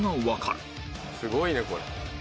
すごいねこれ。